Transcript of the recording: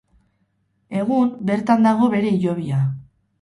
Egun, bertan dago bere hilobia.